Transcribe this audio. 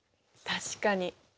確かに。